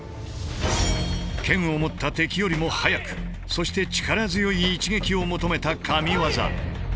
剣を持った敵よりも速くそして力強い一撃を求めた神技。